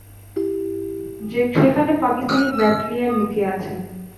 সেখানে পাকিস্তানি ব্যাটালিয়ন লুকিয়ে আছে।